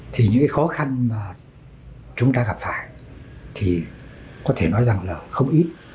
thì những cái khó khăn mà chúng ta gặp phải thì có thể nói rằng là không ít